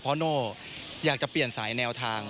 เพราะโน่อยากจะเปลี่ยนสายแนวทาง